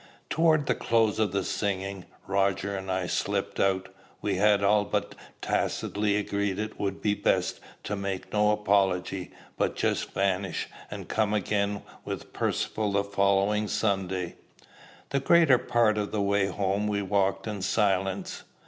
Toward the close of the singing, Roger and I slipped out. We had all but tacitly agreed it would be best to make no apology, but just vanish, and come again with Percivale the following Sunday. The greater part of the way home we walked in silence.